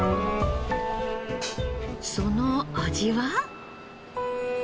その味は？